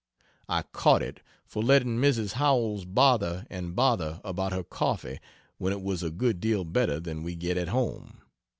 I "caught it" for letting Mrs. Howells bother and bother about her coffee when it was "a good deal better than we get at home."